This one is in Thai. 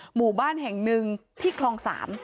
หมู่บ้านแห่งหนึ่งที่คลอง๓